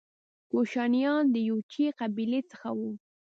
کوشانیان د یوچي قبیلې څخه وو